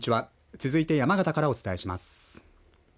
続いて山形からお伝えします。